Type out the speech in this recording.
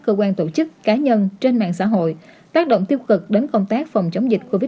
cơ quan tổ chức cá nhân trên mạng xã hội tác động tiêu cực đến công tác phòng chống dịch covid một mươi